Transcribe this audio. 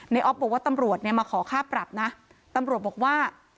ออฟบอกว่าตำรวจเนี่ยมาขอค่าปรับนะตำรวจบอกว่า